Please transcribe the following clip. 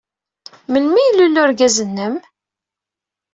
Melmi ay ilul urgaz-nnem?